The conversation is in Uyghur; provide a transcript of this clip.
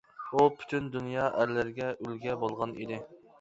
ئۇ پۈتۈن دۇنيا ئەرلىرىگە ئۈلگە بولغان ئىدى.